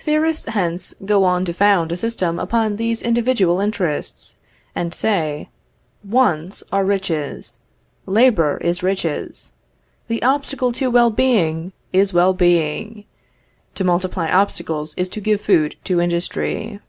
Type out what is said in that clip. Theorists hence go on to found a system upon these individual interests, and say: Wants are riches: Labor is riches: The obstacle to well being is well being: To multiply obstacles is to give food to industry.